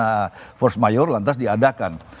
nah force majeure lantas diadakan